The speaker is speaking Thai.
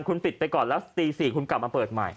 คุณปิดไปก่อนแล้วตี๔คุณกลับมาเปิดใหม่